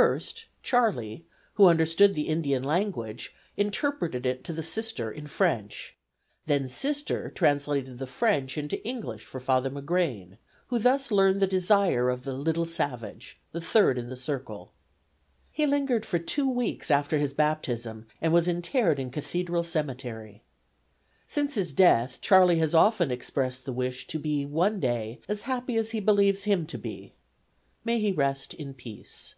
First Charley, who understood the Indian language, interpreted it to Sister in French; then Sister translated the French into English for Father McGrane, who thus learned the desire of the 'little savage,' the third in the circle. He lingered for two weeks after his baptism and was interred in Cathedral Cemetery. Since his death Charley has often expressed the wish to be one day as happy as he believes him to be. May he rest in peace.